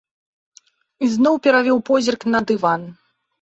Ізноў перавёў позірк на дыван.